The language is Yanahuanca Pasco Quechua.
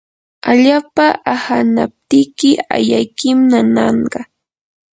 allapa ahanaptiki ayaykim nananqa.